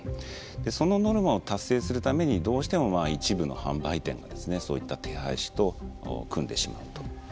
でそのノルマを達成するためにどうしても一部の販売店がそういった手配師と組んでしまうと。